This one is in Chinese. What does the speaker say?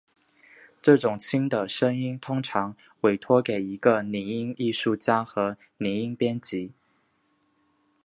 这种轻的声音通常委托给一个拟音艺术家和拟音编辑。